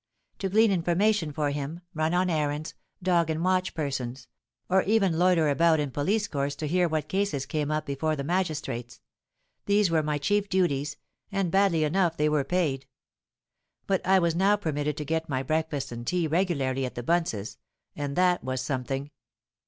To glean information for him—run on errands—dog and watch persons—or even loiter about in police courts to hear what cases came up before the magistrates,—these were my chief duties; and badly enough they were paid. But I was now permitted to get my breakfast and tea regularly at the Bunces'; and that was something.